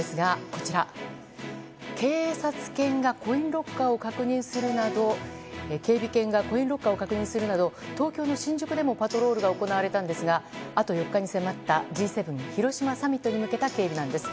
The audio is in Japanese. こちら、警備犬がコインロッカーを確認するなど東京の新宿でもパトロールが行われたんですがあと４日に迫ったＧ７広島サミットに向けた警備なんです。